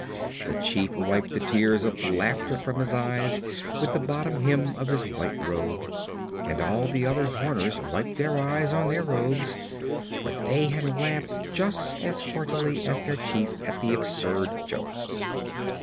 Ho, ho!" The Chief wiped the tears of laughter from his eyes with the bottom hem of his white robe, and all the other Horners wiped their eyes on their robes, for they had laughed just as heartily as their Chief at the absurd joke.